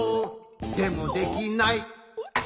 「でもできない」